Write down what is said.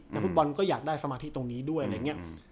แล้วฟุตบอลก็อยากได้สมาธิตรงนี้ด้วย